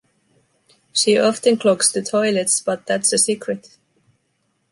She often clogs the toilets, but that’s a secret.